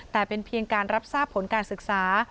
แต่เป็นเพียงการรับทราบผลการศึกษา